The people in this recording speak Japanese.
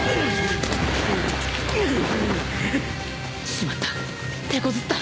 しまった手こずった